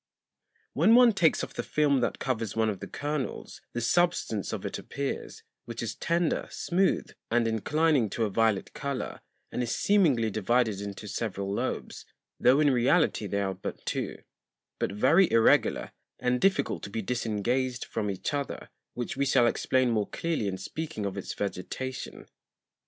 When one takes off the Film that covers one of the Kernels, the Substance of it appears; which is tender, smooth, and inclining to a violet Colour, and is seemingly divided into several Lobes, tho' in reality they are but two; but very irregular, and difficult to be disengaged from each other, which we shall explain more clearly in speaking of its Vegetation.